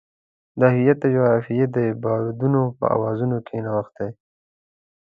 دا هویت د جغرافیې د بادونو په اوازونو کې نغښتی.